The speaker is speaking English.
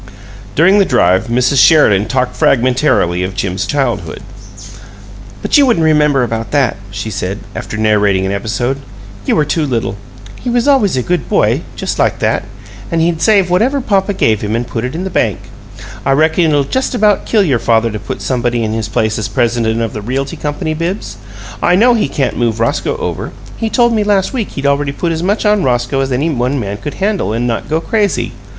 During the drive Mrs. Sheridan talked fragmentarily of Jim's childhood. "But you wouldn't remember about that," she said, after narrating an episode. "You were too little. He was always a good boy, just like that. And he'd save whatever papa gave him, and put it in the bank. I reckon it'll just about kill your father to put somebody in his place as president of the Realty Company, Bibbs. I know he can't move Roscoe over; he told me last week he'd already put as much on Roscoe as any one man could handle and not go crazy.